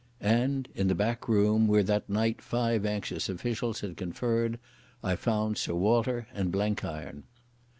And in the back room, where that night five anxious officials had conferred, I found Sir Walter and Blenkiron.